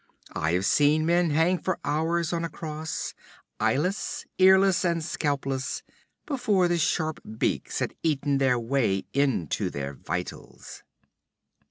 I have seen men hang for hours on a cross, eyeless, earless, and scalpless, before the sharp beaks had eaten their way into their vitals.'